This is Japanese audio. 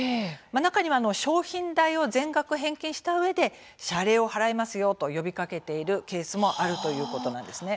中には商品代を全額返金したうえで謝礼を払いますよと呼びかけてるケースもあるということなんですね。